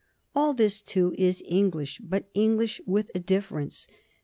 All this, too, is English, but English with a difference.